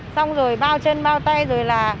xong rồi bao chân bao tay rồi là